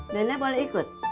nenek boleh ikut